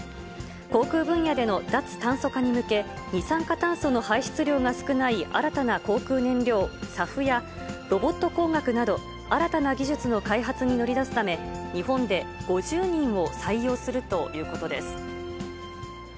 航空分野での脱炭素化に向け、二酸化炭素の排出量が少ない新たな航空燃料、ＳＡＦや、ロボット工学など、新たな技術の開発に乗り出すため、日本で５０人を採用するということです。